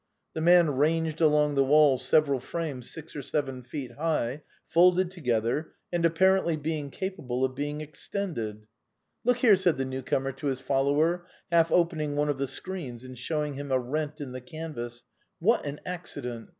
The man ranged along the wall several frames six or seven feet high, folded together, and apparently capable of being extended. " Look here," said the new comer to his follower, half opening one of the screens and showing him a rent in the canvas, " what an accident